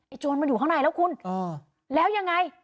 โจรมันอยู่ข้างในแล้วคุณแล้วยังไง